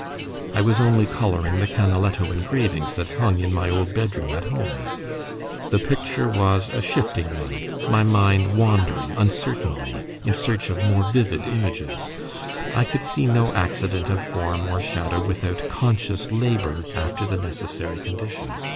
I was only colouring the Canaletto engravings that hung in my old bedroom at home; the picture was a shifting one, my mind wandering uncertainly in search of more vivid images; I could see no accident of form or shadow without conscious labour after the necessary conditions.